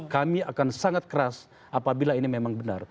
kami akan sangat keras apabila ini memang benar